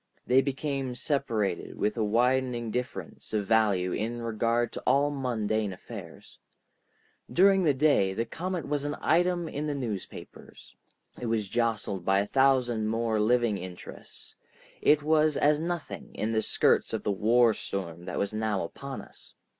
They became separated with a widening difference of value in regard to all mundane affairs. During the day, the comet was an item in the newspapers, it was jostled by a thousand more living interests, it was as nothing in the skirts of the war storm that was now upon us.